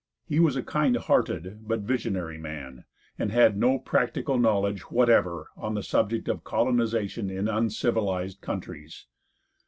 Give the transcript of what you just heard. He was a kind hearted but visionary man, and had no practical knowledge whatever on the subject of colonization in uncivilized countries.